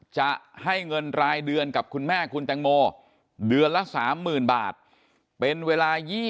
จะให้เงินรายเดือนกับคุณแม่คุณแตงโมเดือนละ๓๐๐๐บาทเป็นเวลา๒๐